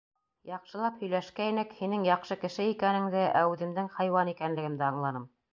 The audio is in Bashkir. Яҡшылап һөйләшкәйнек, һинең яҡшы кеше икәнеңде, ә үҙемдең хайуан икәнлегемде аңланым.